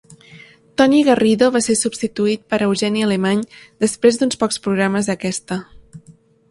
Toni Garrido va ser substituït per Eugeni Alemany després d'uns pocs programes d'aquesta.